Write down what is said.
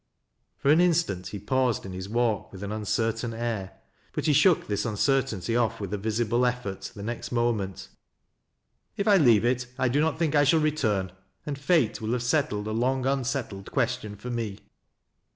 For an instant he paused in his walk, with an uncertain »ii . But he shook this uncertainty off with a visible effort, the next moment. "If 1 leave it, I do not think I shall return, and Fate will have settled a long unsettled question for me."